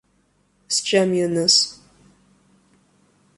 Сџьам ианыз.